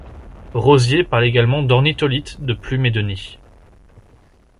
Rozier parle également d'ornitholithe de plume et de nid.